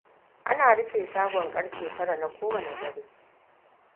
Ana rufe shagon karfe tara na kowane dare.